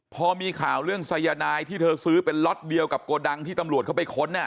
พอมีข่าวเรื่องสายนายที่เธอซื้อเป็นล็อตเดียวกับโกดังที่ตำรวจเข้าไปค้น